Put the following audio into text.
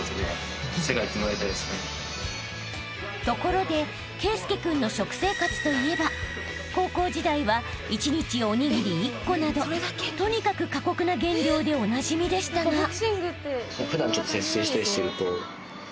［ところで圭佑君の食生活といえば高校時代は１日おにぎり１個などとにかく過酷な減量でおなじみでしたが］